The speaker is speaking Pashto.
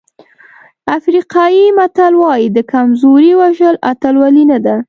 افریقایي متل وایي د کمزوري وژل اتلولي نه ده.